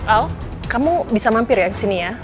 al kamu bisa mampir ya kesini ya